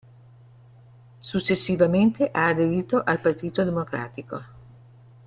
Successivamente ha aderito al Partito Democratico.